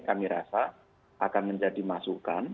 kami rasa akan menjadi masukan